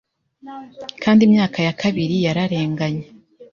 Kandi Imyaka ya kabiri yararenganye